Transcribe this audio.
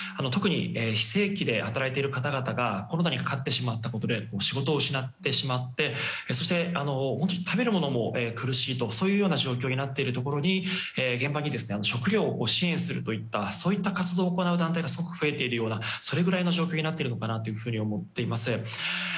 特に非正規で働いている方々がコロナにかかってしまったことで仕事を失ってしまってそして、食べるものにも苦しいという状況になっているところに現場に食料を支援するというそういった活動を行う団体がすごく増えているようなそれぐらいの状況になっているなと思っています。